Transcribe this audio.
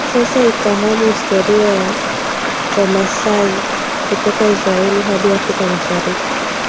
Sasa ifahamu historia ya Wamasai kutoka Israel hadi Afrika Mashariki